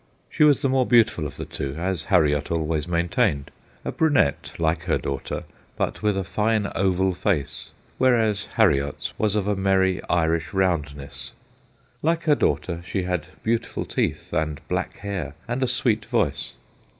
She was the more beautiful of the two, as Harriot always maintained, a brunette like her daughter, but with a fine oval face, whereas Harriot's was of a merry Irish roundness ; like her daughter she had beautiful teeth, and black hair, and a sweet voice.